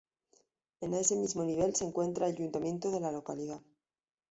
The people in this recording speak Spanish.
En ese mismo nivel se encuentra el Ayuntamiento de la localidad.